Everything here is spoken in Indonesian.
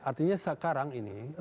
artinya sekarang ini